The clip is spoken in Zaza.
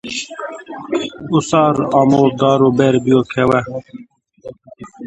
Usar amo, dar u ber biyo khewe.